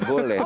oh boleh sih